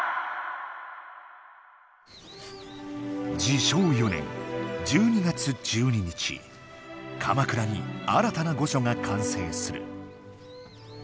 治承４年１２月１２日鎌倉に新たな御所が完成する。